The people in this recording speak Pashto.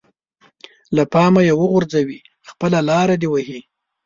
له پامه يې وغورځوي خپله لاره دې وهي.